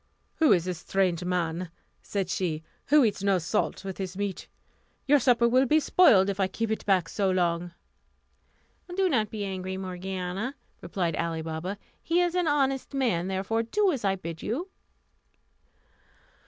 "Who is this strange man," said she, "who eats no salt with his meat? Your supper will be spoiled, if I keep it back so long." "Do not be angry, Morgiana," replied Ali Baba; "he is an honest man, therefore do as I bid you."